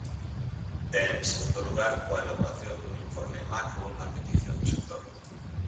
E, en segundo lugar, coa elaboración dun informe macro a petición do sector.